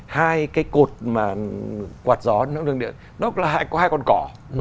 hai cái cột mà quạt gió nó có hai con cò